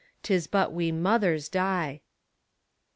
'Tis but we mothers die.